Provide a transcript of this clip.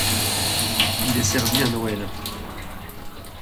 Il est servi à Noël.